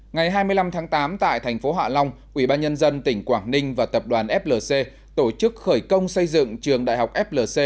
ngày hai mươi năm tháng tám tại tp hạ long ủy ban nhân dân tỉnh quảng ninh và tập đoàn flc tổ chức khởi công xây dựng trường đại học flc